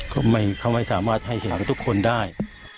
เขาไม่สามารถให้เห็นกับทุกคนได้